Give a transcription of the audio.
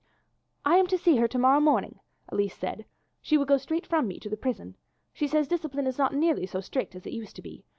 "I am to see her to morrow morning," Elise said. "She will go straight from me to the prison. She says discipline is not nearly so strict as it used to be.